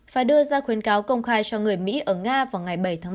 và đưa ra khuyến cáo công khai cho người mỹ ở nga vào ngày bảy tháng bốn